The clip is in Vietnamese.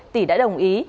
tỷ đã đồng ý